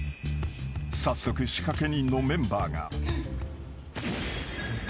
［早速仕掛け人のメンバーが］えっ！？